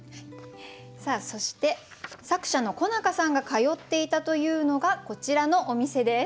そして作者の小中さんが通っていたというのがこちらのお店です。